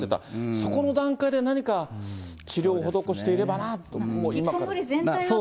そこの段階で何か治療を施していればなと、今から。